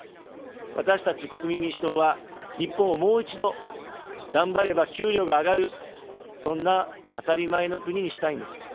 私たち国民民主党は、日本を、もう一度、がんばれば給料が上がる、そんな当たり前の国にしたいんです。